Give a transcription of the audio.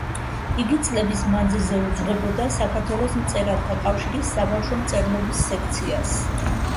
იგი წლების მანძილზე უძღვებოდა საქართველოს მწერალთა კავშირის საბავშვო მწერლობის სექციას.